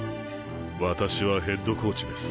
私はヘッドコーチです。